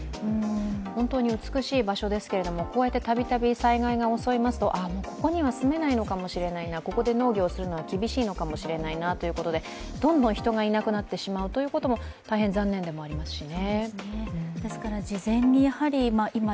本当に美しい場所ですけれどもたびたび災害が襲いますとああ、もうここには住めないのかもしれないな、ここで農業するのは厳しいのかもしれないなということでどんどん人がいなくなってしまうということも大変残念でありますね。